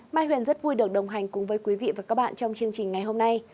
mai huyền rất vui được đồng hành cùng với quý vị và các bạn trong chương trình ngày hôm nay